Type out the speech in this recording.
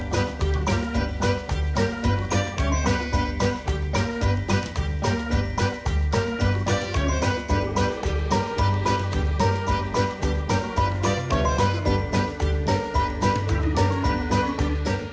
โปรดติดตามตอนต่อไป